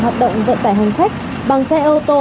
hoạt động vận tải hành khách bằng xe ô tô